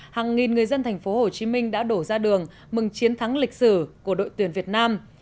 hàng nghìn người dân thành phố hồ chí minh đã đổ ra đường mừng chiến thắng lịch sử của đội tuyển việt nam